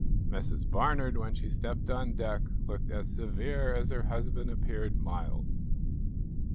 Mrs. Barnard, when she stepped on deck, looked as severe as her husband appeared mild.